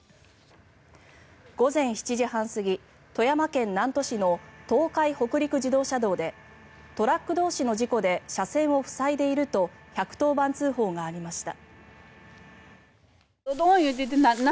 午前７時半過ぎ、富山県南砺市の東海北陸自動車道でトラック同士の事故で車線を塞いでいると１１０番通報がありました。